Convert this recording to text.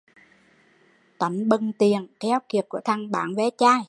Tánh bần tiện, keo kiệt của thằng bán ve chai